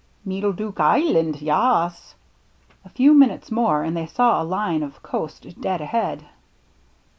" Meedle Dook Island, ya as." A few minutes more and they saw a line of coast dead ahead.